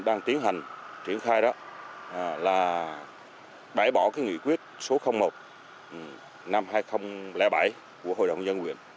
đang tiến hành triển khai đó là bãi bỏ cái nghị quyết số một năm hai nghìn bảy của hội đồng nhân quyền